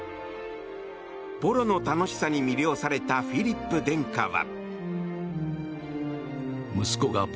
ポロの楽しさに魅了されたフィリップ殿下は。